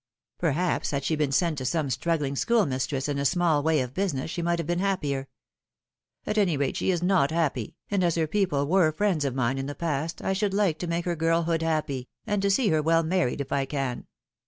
Perhaps had she been sent to some struggling schoolmistress in a small way of business she might have been happier. At any rate, she is not happy ; and as her people were friends of mine in the past I should like to make her girlhood happy, and to see her well married, if I can."